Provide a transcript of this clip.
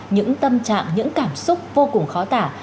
những tâm trạng những cảm xúc vô cùng khó tả